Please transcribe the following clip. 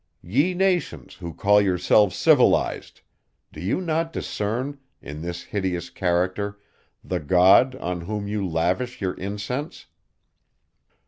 Ye nations, who call yourselves civilized! Do you not discern, in this hideous character, the God, on whom you lavish your incense?